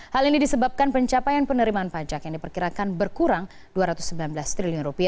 hal ini disebabkan pencapaian penerimaan pajak yang diperkirakan berkurang rp dua ratus sembilan belas triliun